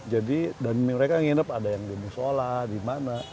jadi dan mereka nginep ada yang di musola di mana